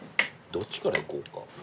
どっちからいこうか。